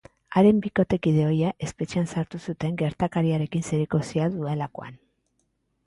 Haren bikotekide ohia espetxean sartu zuten gertakariarekin zerikusia duelakoan.